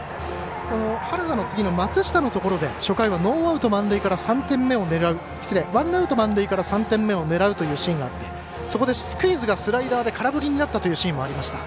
原田の次の松下のところで初回はワンアウト満塁から３点目を狙うというシーンがあってそこでスクイズがスライダーで空振りになったというシーンがありました。